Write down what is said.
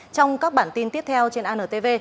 trong các bản tin tiếp theo trên antv